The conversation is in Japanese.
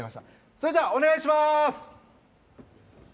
それじゃあ、お願いしまーす。